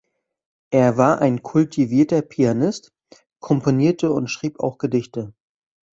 Er war ein kultivierter Pianist, komponierte und schrieb auch Gedichte.